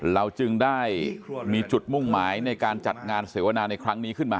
เราจึงได้มีจุดมุ่งหมายในการจัดงานเสวนาในครั้งนี้ขึ้นมา